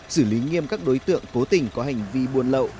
xử lý nghiêm các đối tượng cố tình có hành vi buôn lậu